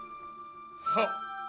はっ。